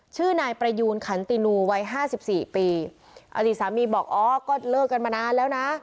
ชื่อนายประยูนขันตินูวัยห้าสิบสี่ปีอดีตสามีบอกอ๋อก็เลิกกันมานานแล้วนะ